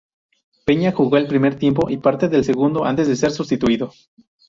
Peña jugó el primer tiempo y parte del segundo antes de ser sustituido.